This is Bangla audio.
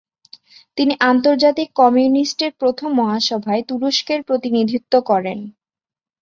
তিনি আন্তর্জাতিক কমিউনিস্টের প্রথম মহাসভায় তুরস্কের প্রতিনিধিত্ব করেন।